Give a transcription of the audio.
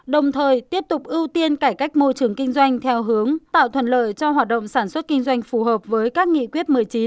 đồng thời tiếp tục ưu tiên cải cách môi trường kinh doanh theo hướng tạo thuận lợi cho hoạt động sản xuất kinh doanh phù hợp với các nghị quyết một mươi chín